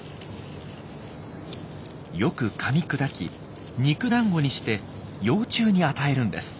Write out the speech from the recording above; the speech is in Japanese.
よくかみ砕き肉だんごにして幼虫に与えるんです。